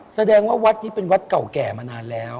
แสดงว่าวัดนี้เป็นวัดเก่าแก่มานานแล้ว